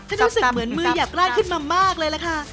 รู้สึกเหมือนมืออยากลาดขึ้นมามากเลยล่ะค่ะ